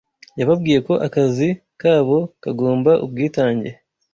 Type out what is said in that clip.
Yababwiye ko akazi kabo kagomba ubwitange